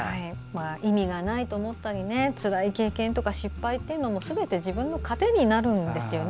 意味がないと思ったりつらい経験とか、失敗というのもすべて自分の糧になるんですよね。